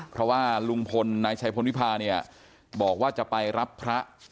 เพราะว่าลุงพลนายชัยพลวิพาเนี่ยบอกว่าจะไปรับพระ